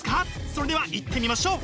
それではいってみましょう！